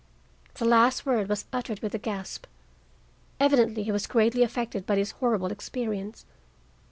The last word was uttered with a gasp. Evidently he was greatly affected by this horrible experience.